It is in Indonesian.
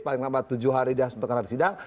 paling lama tujuh hari dia diperkenalkan di sidang